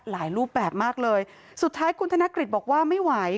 รูปแบบมากเลยสุดท้ายคุณธนกฤษบอกว่าไม่ไหว